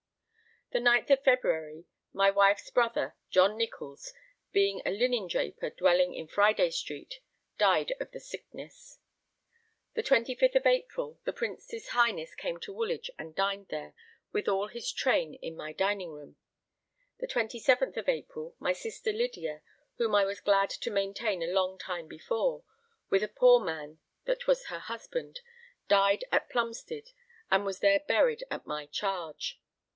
The 9th of February, my wife's brother, John Nicholls, being a linen draper dwelling in Friday Street, died of the sickness. The 25th April the Prince's Highness came to Woolwich and dined there, with all his train, in my dining room. The 27th April, my sister Lydia, whom I was glad to maintain a long time before, with a poor man that was her husband, died at Plumstead, and was there buried at my charge.